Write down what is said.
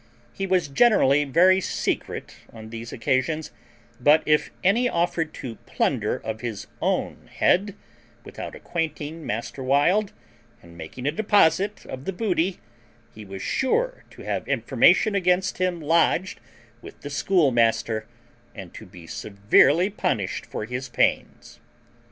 He was generally very secret on these occasions; but if any offered to plunder of his own head, without acquainting master Wild, and making a deposit of the booty, he was sure to have an information against him lodged with the schoolmaster, and to be severely punished for his pains.